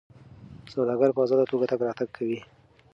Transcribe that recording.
سوداګر په ازاده توګه تګ راتګ کوي.